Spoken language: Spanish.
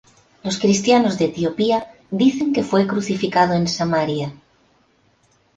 Los cristianos de Etiopía dicen que fue crucificado en Samaria.